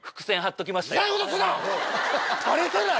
バレてない？